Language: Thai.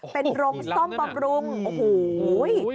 เป็นโรงซ่อมบำรุงโอ้โห